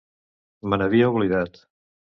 Me n'havia oblidat.